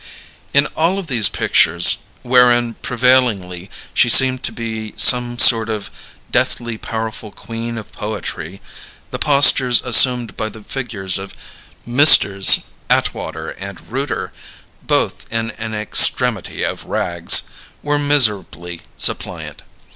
In all of these pictures, wherein prevailingly she seemed to be some sort of deathly powerful Queen of Poetry, the postures assumed by the figures of Messrs. Atwater and Rooter (both in an extremity of rags) were miserably suppliant.